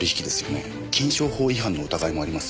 金商法違反の疑いもありますよ。